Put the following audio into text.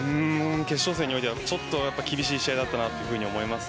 決勝戦においては厳しい試合だったと思います。